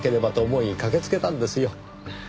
思い駆けつけたんですよ。